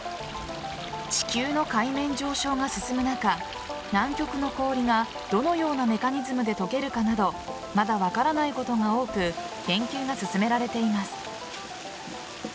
地球の海面上昇が進む中南極の氷がどのようなメカニズムで解けるかなどまだ分からないことが多く研究が進められています。